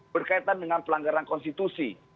berkaitan dengan pelanggaran konstitusi